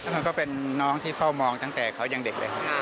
มันก็เป็นน้องที่เฝ้ามองตั้งแต่เขายังเด็กเลยครับ